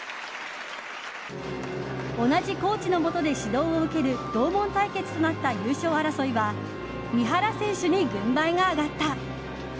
同じコーチのもとで指導を受ける同門対決となった優勝争いは三原選手に軍配が上がった。